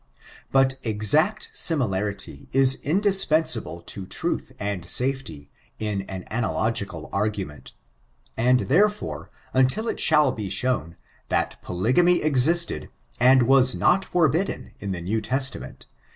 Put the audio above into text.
But exact similarity is indispensable to truth and safety, in an analogical argument: and, therefore, until it shall be shown, that polygamy existed, and was not forbidden, in the New Testament